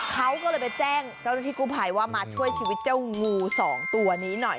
เขาก็เลยไปแจ้งเจ้าหน้าที่กู้ภัยว่ามาช่วยชีวิตเจ้างูสองตัวนี้หน่อย